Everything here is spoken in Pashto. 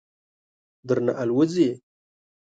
درنه آلوځي.